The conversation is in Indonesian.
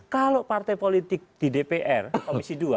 kalau partai politik di dpr komisi dua